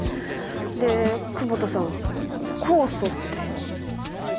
で久保田さん酵素って？